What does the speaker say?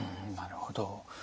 なるほど。